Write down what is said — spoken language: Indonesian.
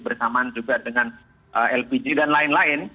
bersamaan juga dengan lpg dan lain lain